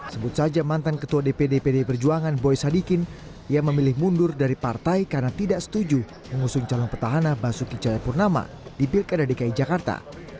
sebut saja mantan ketua dpd pdi perjuangan boy sadikin yang memilih mundur dari partai karena tidak setuju mengusung calon petahana basuki cahayapurnama di pilkada dki jakarta